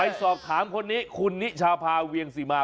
สอบถามคนนี้คุณนิชาพาเวียงสิมา